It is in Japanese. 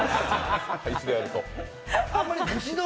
一度やると？